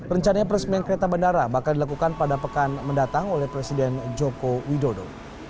rencananya peresmian kereta bandara bakal dilakukan pada pekan mendatang oleh presiden joko widodo